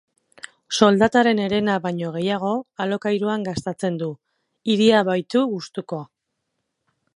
Soldataren herena baino gehiago alokairuan gastatzen du, hiria baitu gustuko.